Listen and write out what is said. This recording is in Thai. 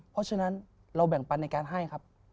เพราะฉะนั้นเราแบ่งปันในการให้ครับ